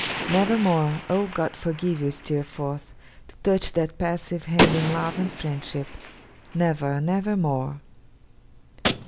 Never more, oh God forgive you, Steerforth! to touch that passive hand in love and friendship. Never, never more!